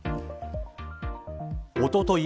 おととい